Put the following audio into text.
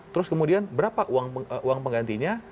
terus kemudian berapa uang penggantinya